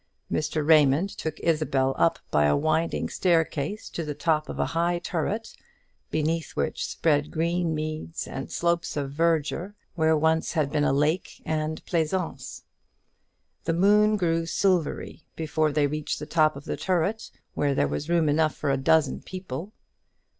Mr. Raymond took Isabel up by a winding staircase to the top of a high turret, beneath which spread green meads and slopes of verdure, where once had been a lake and pleasaunce. The moon grew silvery before they reached the top of the turret, where there was room enough for a dozen people.